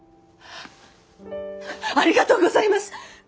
ありがとうございます！